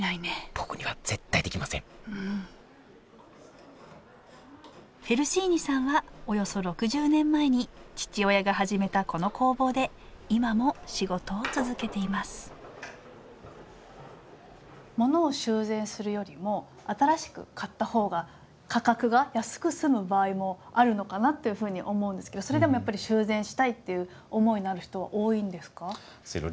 僕には絶対できませんフェルシーニさんはおよそ６０年前に父親が始めたこの工房で今も仕事を続けていますものを修繕するよりも新しく買ったほうが価格が安く済む場合もあるのかなっていうふうに思うんですけどそれでもやっぱり修繕したいっていう思いのある人は多いんですか？